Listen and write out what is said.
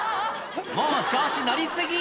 もう調子乗り過ぎ